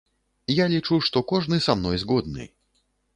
Я лічу, што кожны са мной згодны.